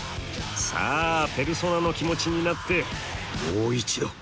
さあペルソナの気持ちになってもう一度。